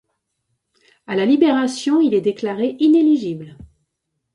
À la Libération, il est déclaré inéligible.